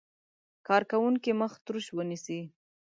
کارکوونکی مخ تروش ونیسي.